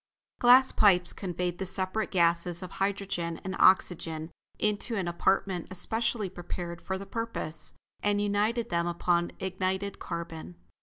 Glass pipes conveyed the separate gases of hydrogen and oxygen into an apartment especially prepared for the purpose, and united them upon ignited carbon.